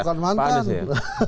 tuh bukan mantan